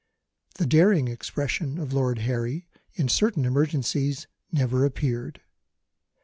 The daring expression of Lord Harry, in certain emergencies, never appeared.